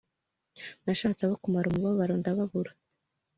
nashatse abo kumara umubabaro ndababura